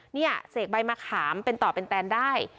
เนี่ยเสกใบมะขามเป็นต่อเป็นแตนได้